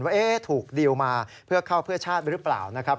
ว่าถูกดีลมาเพื่อเข้าเพื่อชาติหรือเปล่านะครับ